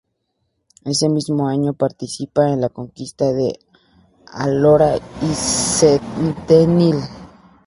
Ese mismo año participa en la conquista de Álora y Setenil.